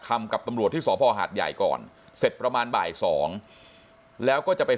กับตำรวจที่สพหาดใหญ่ก่อนเสร็จประมาณบ่าย๒แล้วก็จะไป